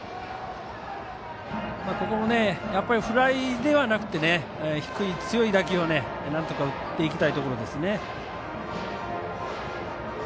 ここもフライではなくて低い強い打球をなんとか打っていきたいところですね。